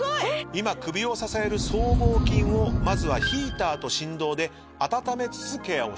今首を支える僧帽筋をまずはヒーターと振動で温めつつケアをしてると。